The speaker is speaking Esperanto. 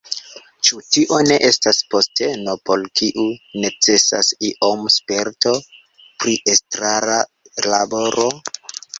Ĉu tio ne estas posteno, por kiu necesas ioma sperto pri estrara laboro?